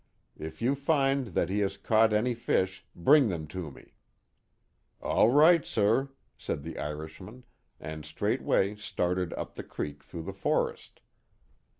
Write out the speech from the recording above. If you find that he has caught any fish, bring them to me." '* All right, sur," said the Irishman, and straightway started up the creek through the forest.